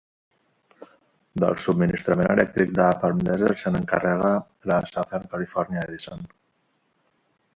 Del subministre elèctric de Palm Desert se n'encarrega la Southern Califòrnia Edison.